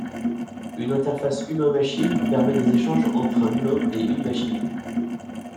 Une interface humain-machine permet des échanges entre un humain et une machine.